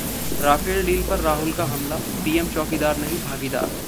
Rafale deal पर राहुल का हमला- पीएम चौकीदार नहीं भागीदार